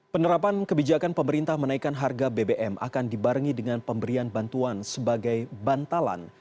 penerapan kebijakan pemerintah menaikkan harga bbm akan dibarengi dengan pemberian bantuan sebagai bantalan